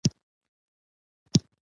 کوتره له بوټو سره مینه لري.